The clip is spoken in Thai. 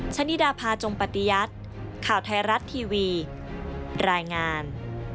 ชะนิดาพาจงปฏิยัติข่าวไทยรัฐทีวีรายงาน